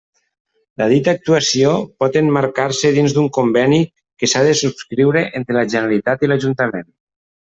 La dita actuació pot emmarcar-se dins d'un conveni que s'ha de subscriure entre la Generalitat i l'Ajuntament.